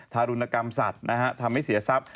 ทารุณกรรมสัตว์ทำให้เสียทรัพย